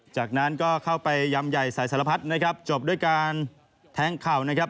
จากนั้นก็เข้าไปยำใหญ่สายสารพัดนะครับจบด้วยการแทงเข่านะครับ